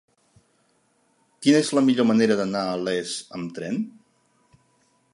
Quina és la millor manera d'anar a Les amb tren?